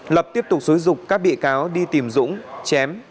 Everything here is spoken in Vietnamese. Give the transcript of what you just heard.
lập tiếp tục xúi dục các bị cáo đi tìm dũng chém